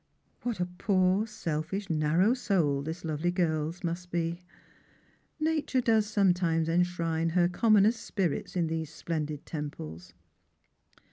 What a poor, selfish, narrow soul this lovely girl's must be ! Nature does sometimes enshrine her commonest spirits in these splendid temjoles.